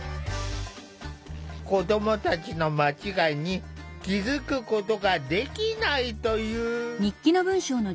子どもたちの間違いに気付くことができないという。